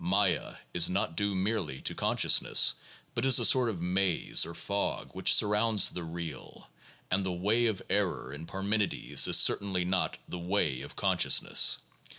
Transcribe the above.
Maya is not due merely to consciousness, but is a sort of maze or fog which surrounds the real, and "the way of error" in Parmenides is cer tainly not "the way of consciousness."